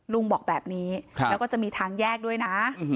ลุงบอกแบบนี้แล้วก็จะมีทางแยกด้วยนะ